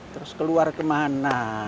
terus keluar ke mana